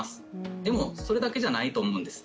でもそれだけじゃないと思うんですね。